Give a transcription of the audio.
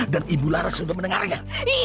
dan ibu laras sudah mendengarnya